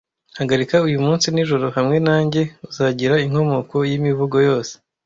Hagarika uyu munsi nijoro hamwe nanjye uzagira inkomoko yimivugo yose,